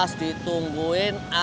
gak cukup pulsaanya